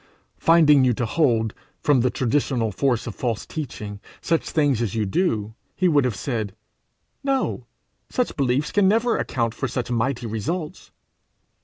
Finding you to hold, from the traditional force of false teaching, such things as you do, he would have said, 'No! such beliefs can never account for such mighty results!'